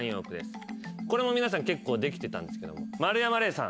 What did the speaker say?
これも皆さん結構できてたんですけども丸山礼さん。